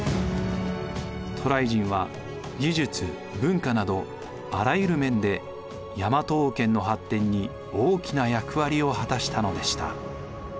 渡来人は技術文化などあらゆる面で大和王権の発展に大きな役割を果たしたのでした。